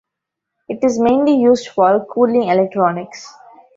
It is mainly used for cooling electronics.